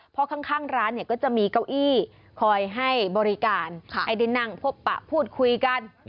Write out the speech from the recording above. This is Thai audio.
เพราะข้างร้านเนี่ยก็จะมีเก้าอี้คอยให้บริการให้ได้นั่งพบปะพูดคุยกัน